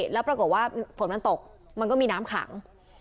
แล้วปรากฏว่าฝนมันตกมันก็มีน้ำขัง